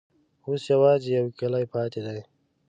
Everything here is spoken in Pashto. اوس یوازي یو کلی پاته دی.